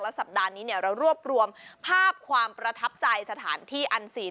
สัปดาห์นี้เรารวบรวมภาพความประทับใจสถานที่อันซีน